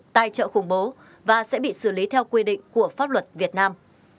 tài trợ khủng bố và sẽ bị xử lý theo quy định của pháp luật việt nam